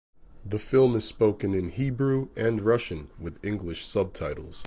The film is spoken in Hebrew and Russian with English subtitles.